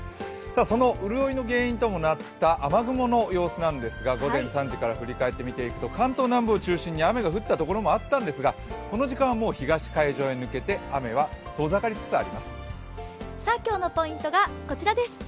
その潤いの原因ともなった雨雲の様子なんですが、午前３時から振り返って見ていくと関東南部を中心に雨が降ったところがあったんですが、この時間は東海上へ抜けて今日のポイントがこちらです。